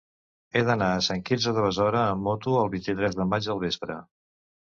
He d'anar a Sant Quirze de Besora amb moto el vint-i-tres de maig al vespre.